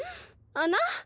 あな？